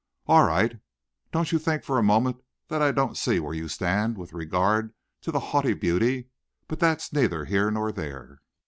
"All right. Don't you think for a moment that I don't see where you stand with regard to the haughty beauty, but that's neither here nor there."